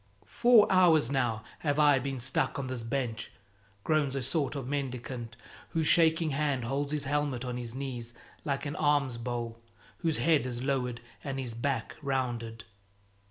"Four hours now have I been stuck on this bench," groans a sort of mendicant, whose shaking hand holds his helmet on his knees like an alms bowl, whose head is lowered and his back rounded.